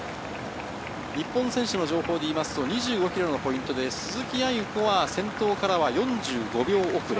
日本選手でいいますと、２５ｋｍのポイントで鈴木亜由子は先頭からは４５秒遅れ。